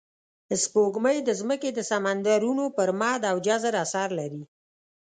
سپوږمۍ د ځمکې د سمندرونو پر مد او جزر اثر لري